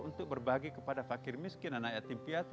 untuk berbagi kepada fakir miskin dan ayat impiatu